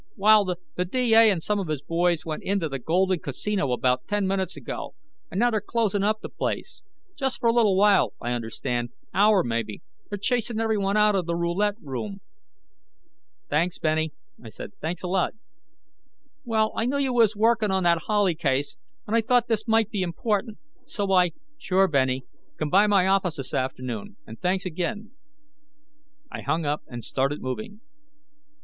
"Well, the D.A. and some of his boys went into the Golden Casino about ten minutes ago, and now they're closin' up the place. Just for a little while, I understand. Hour, maybe. They're chasin' everyone out of the roulette room." "Thanks, Benny," I said, "thanks a lot." "Well, I knew you was working on that Howley case, and I thought this might be important, so I " "Sure, Benny. Come by my office this afternoon. And thanks again." I hung up and started moving.